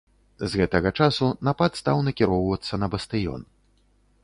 З гэтага часу напад стаў накіроўвацца на бастыён.